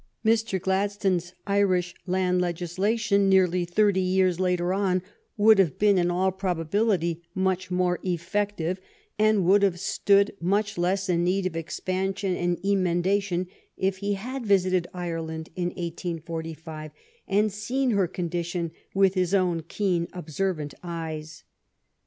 Mr. Gladstone's Irish land legislation nearly thirty years later on would have been in all proba bility much more effective, and would have stood THE FREE TRADE STRUGGLE 99 much less in need of expansion and emendation, if he had visited Ireland in 1845, and seen her con dition with his own keen, observant eyes.